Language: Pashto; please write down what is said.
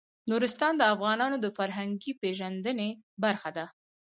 نورستان د افغانانو د فرهنګي پیژندنې برخه ده.